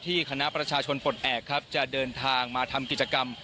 คณะประชาชนปลดแอบครับจะเดินทางมาทำกิจกรรม